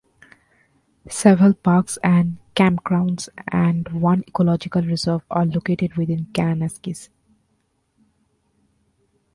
Several parks and campgrounds and one ecological reserve are located within Kananaskis.